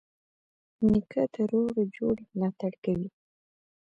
نیکه د روغي جوړې ملاتړ کوي.